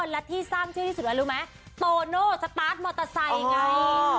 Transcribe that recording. และที่สร้างชื่อที่สุดอะไรรู้ไหมโตโน่สตาร์ทมอเตอร์ไซค์ไง